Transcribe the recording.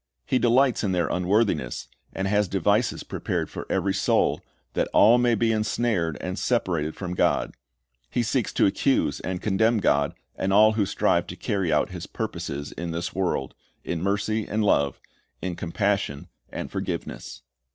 He delights in their unworthiness, and has devices prepared for every soul, that all may be ensnared and separated from God. He seeks to accuse and condemn God, and all who strive to carry out His purposes in this world, in mercy and love, in compassion and forgiveness.